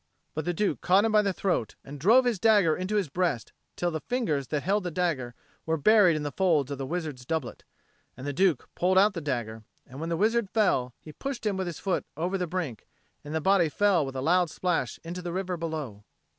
But the Duke caught him by the throat and drove his dagger into his breast till the fingers that held the dagger were buried in the folds of the wizard's doublet; and the Duke pulled out the dagger, and, when the wizard fell, he pushed him with his foot over the brink, and the body fell with a loud splash into the river below.